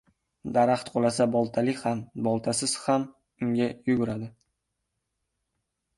• Daraxt qulasa, boltali ham, boltasiz ham unga yuguradi.